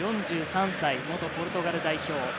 ４３歳、元ポルトガル代表。